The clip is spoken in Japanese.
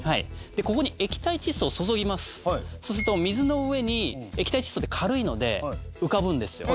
ここに液体窒素を注ぎますそうすると水の上に液体窒素って軽いので浮かぶんですよ